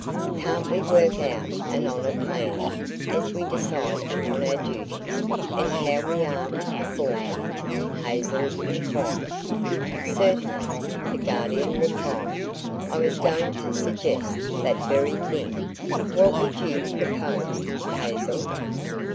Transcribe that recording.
"Can't we work out an honor plan as we decide upon our duties and how we are to perform them?" Hazel inquired. "Certainly," the Guardian replied, "I was going to suggest that very thing. What would you propose, Hazel?"